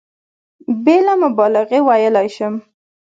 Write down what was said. بېله مبالغې ویلای شم.